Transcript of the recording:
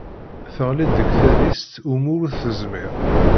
Teɣli-d deg tadist umu ur tezmir.